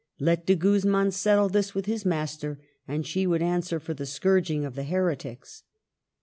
Let De Guzman settle this with his master, and she would answer for the scourging of the heretics.